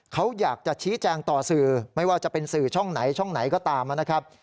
เขาอยากจะชี้แจงต่อสื่อไม่ว่าจะเป็นสื่อช่องไหนช่องไหนก็ตามนะครับ